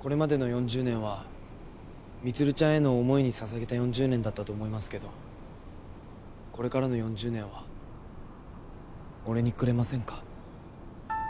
これまでの４０年は充ちゃんへの思いに捧げた４０年だったと思いますけどこれからの４０年は俺にくれませんか。